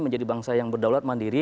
menjadi bangsa yang berdaulat